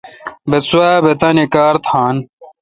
بہ سوا بہ تانی کار تھان